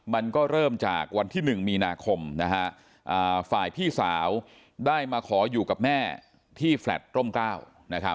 มันก็เริ่มจากวันที่หนึ่งมีนาคมนะฮะอ่าฝ่ายพี่สาวได้มาขออยู่กับแม่ที่แฟลต์ร่มกล้าวนะครับ